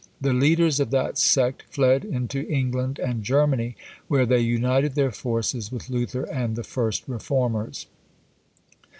The leaders of that sect fled into England and Germany, where they united their forces with Luther and the first Reformers.